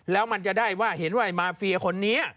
แล้วมันจะได้ว่าเห็นว่าไอ้มาเฟียคนนี้